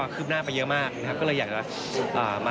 คุณเพ้าคุณแม่ไหม